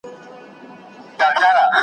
نه چا د پیر بابا له قبر سره .